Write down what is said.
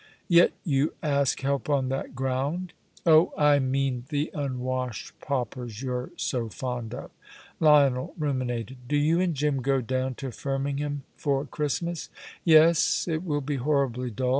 "Yet you ask help on that ground." "Oh, I mean the unwashed paupers you're so fond of." Lionel ruminated. "Do you and Jim go down to Firmingham for Christmas?" "Yes. It will be horribly dull.